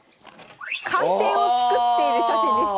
寒天を作っている写真でした。